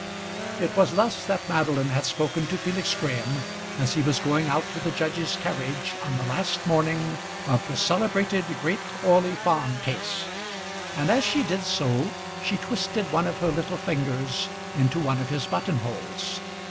It was thus that Madeline had spoken to Felix Graham as he was going out to the judge's carriage on the last morning of the celebrated great Orley Farm case, and as she did so she twisted one of her little fingers into one of his buttonholes.